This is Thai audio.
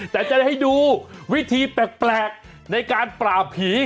แต่จะได้ให้ดูวิธีแปลกในการปราบผี